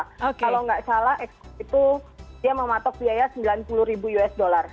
kalau nggak salah itu dia mematok biaya sembilan puluh ribu usd